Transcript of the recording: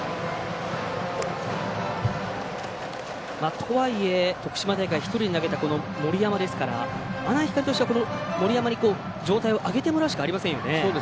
とはいえ、徳島大会１人で投げた森山ですから阿南光としては森山に状態を上げてもらうしかありませんよね。